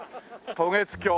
渡月橋。